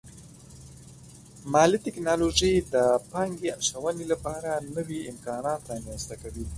مالي ټکنالوژي د پانګې اچونې لپاره نوي امکانات رامنځته کوي.